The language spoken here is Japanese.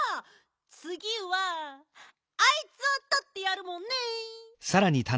つぎはあいつをとってやるもんね。